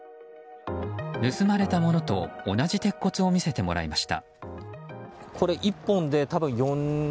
盗まれたものと同じ鉄骨を見せてもらいました。